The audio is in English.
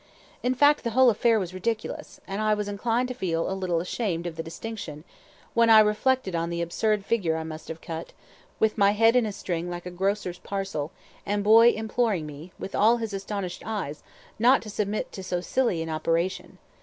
In fact, the whole affair was ridiculous; and I was inclined to feel a little ashamed of the distinction, when I reflected on the absurd figure I must have cut, with my head in a string like a grocer's parcel, and Boy imploring me, with all his astonished eyes, not to submit to so silly an operation.